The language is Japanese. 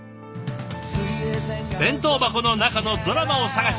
弁当箱の中のドラマを探して。